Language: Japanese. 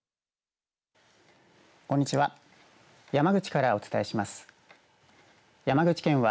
こんにちは。